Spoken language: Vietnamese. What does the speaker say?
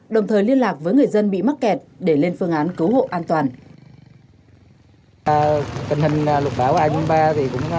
đồng thời liên lạc với người dân bị mắc kẹt để lên phương án cứu hộ an toàn